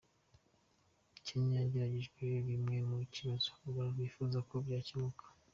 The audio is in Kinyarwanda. Kenya yagejejweho bimwe mu bibazo u Rwanda rwifuza ko byakemuka